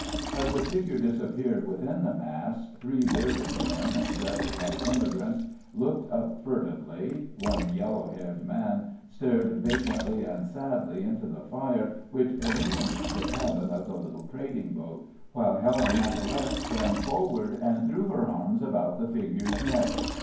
As the figure disappeared within the mass, three bearded men, dressed like emigrants, looked up furtively, one yellow haired man stared vacantly and sadly into the fire which illumed the cabin of the little trading boat, while Helen Matalette sprang forward and threw her arms about the figure's neck.